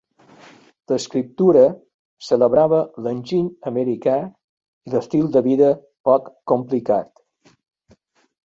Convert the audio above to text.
L'escriptura celebrava l'enginy americà i l'estil de vida poc complicat.